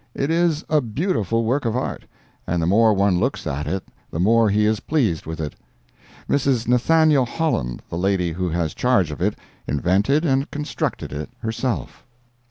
It is a beautiful work of art, and the more one looks at it the more he is pleased with it. Mrs. Nathaniel Holland, the lady who has charge of it, invented and constructed it herself.